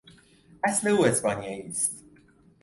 اصل او اسپانیایی است.